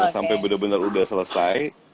sampai bener bener udah selesai